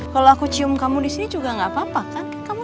kalo aku cium kamu disini juga gak apa apa kan